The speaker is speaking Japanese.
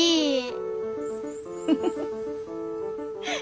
フフフフ。